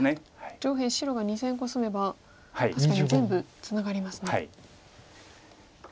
上辺白が２線コスめば確かに全部ツナがりますね。